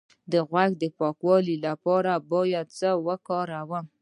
د غوږ د پاکوالي لپاره باید څه شی وکاروم؟